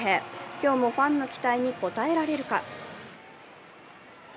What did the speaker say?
今日もファンの期待に応えられるか。